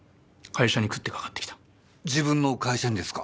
自分の会社にですか？